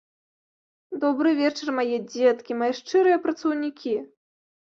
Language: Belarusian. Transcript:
Добры вечар, мае дзеткі, мае шчырыя працаўнікі.